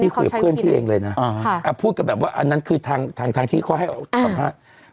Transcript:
เค้าใช้วิธีนี้อะไรนะพูดแบบว่าอันนั้นคือทางที่เขาให้สำหรับ